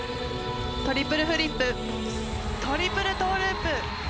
トリプルフリップトリプルトウループ。